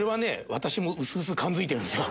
私もうすうす感づいてるんですよ。